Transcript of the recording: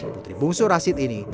putri bungsu rashid ini